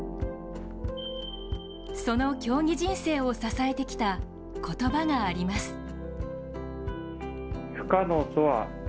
その競技人生を支えてきた言葉があります。